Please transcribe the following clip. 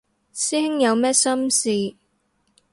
師兄有咩心事